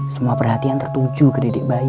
semua perhatian tertuju ke didik bayi